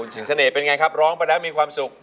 สิงสะเนยเป็นไงครับร้องปะดับมีความสุก